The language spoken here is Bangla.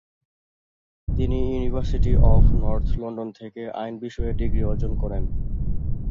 তিনি ইউনিভার্সিটি অফ নর্থ লন্ডন থেকে আইন বিষয়ে ডিগ্রী অর্জন করেন।